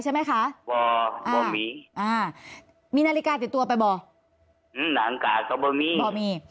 ใช่ไหมคะบ่อมีอ่ามีนาฬิกาติดตัวไปบ่อืมหนังกาดก็บ่มีบ่มี